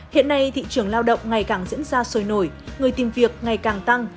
hiện nay thị trường lao động ngày càng diễn ra sôi nổi người tìm việc ngày càng tăng